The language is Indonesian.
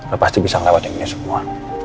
lo pasti bisa ngelawatin ini semua